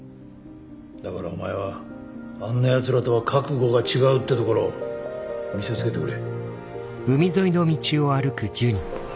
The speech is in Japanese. だからお前はあんなヤツらとは覚悟が違うってところを見せつけてくれ。